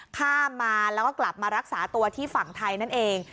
ข้ามมาแล้วก็กลับมารักษาตัวที่ฝั่งไทยนั่นเอง